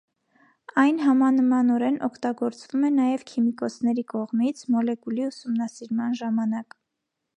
Այն համանմանորեն օգտագործվում է նաև քիմիկոսների կողմից՝ մոլեկուլի ուսումնասիրման ժամանակ։